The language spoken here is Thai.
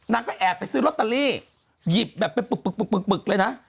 นางก็แอบไปซื้อรอตาลีหยิบแบบไปปึกเลยนะ